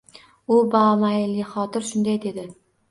U bamaylixotir shunday dedi